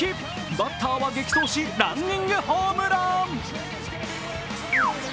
バッターは激走しランニングホームラン。